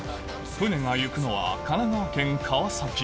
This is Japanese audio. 船が行くのは神奈川県川崎